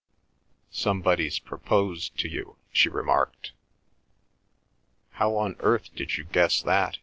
"Somebody's proposed to you," she remarked. "How on earth did you guess that?"